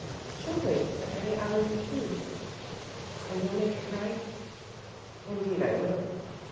"Surely at any hour you choose." "And you'll make it right?" "Indeed I will.